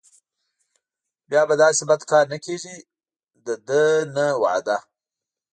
بیا به داسې بد کار نه کېږي دده نه وعده.